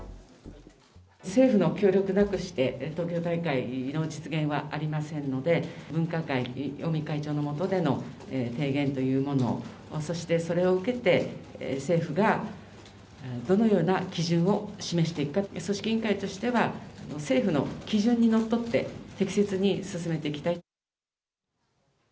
政府の協力なくして、東京大会の実現はありませんので、分科会、尾身会長の下での提言というもの、そして、それを受けて、政府がどのような基準を示していくか、組織委員会としては、政府の基準にのっとって、適切に進めていきたい。